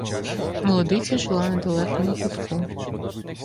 Молодиця жила на далекому кутку.